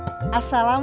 baik baru berpanggangan